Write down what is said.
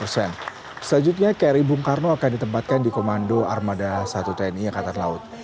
selanjutnya kri bung karno akan ditempatkan di komando armada satu tni angkatan laut